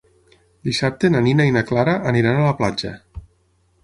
Dissabte na Nina i na Clara aniran a la platja.